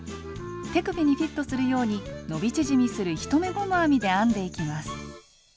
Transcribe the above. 手首にフィットするように伸び縮みする１目ゴム編みで編んでいきます。